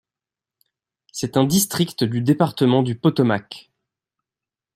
C'est un district du département du Potomac.